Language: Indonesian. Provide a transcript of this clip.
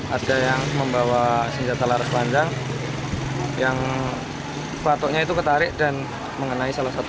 ada yang membawa senjata laras panjang yang batuknya itu ketarik dan mengenai salah satu